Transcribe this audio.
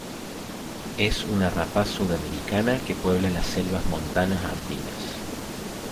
Es una rapaz sudamericana que puebla las selvas montanas andinas.